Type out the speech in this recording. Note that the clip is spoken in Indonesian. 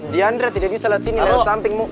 diandra tidak bisa liat sini liat sampingmu